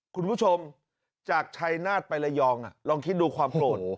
คุณผู้ชมจากชัยนาฏไประยองลองคิดดูความโกรธ